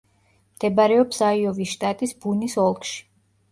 მდებარეობს აიოვის შტატის ბუნის ოლქში.